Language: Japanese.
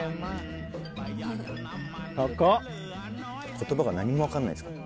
言葉が何も分かんないですからね。